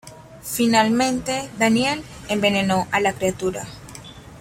Finalmente, Daniel envenenó a la criatura.